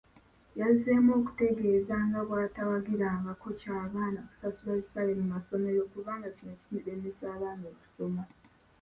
Yazzeemu okutegeeza nga bw'atawagirangako kya baana kusasula bisale mu masomero kubanga kino kiremesa abaana okusoma,